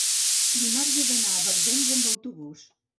dimarts he d'anar a Barbens amb autobús.